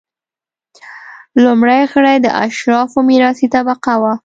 لومړي غړي د اشرافو میراثي طبقه وه.